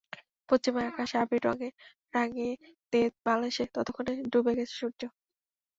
পশ্চিমের আকাশ আবির রঙে রাঙিয়ে দিয়ে বাংলাদেশে ততক্ষণে ডুবে গেছে সূর্য।